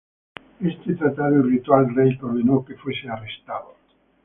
Este tratado irritó al rey, que ordenó fuese arrestado.